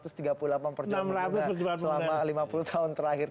selama lima puluh tahun terakhir